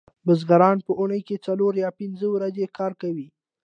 بزګران په اونۍ کې څلور یا پنځه ورځې کار کوي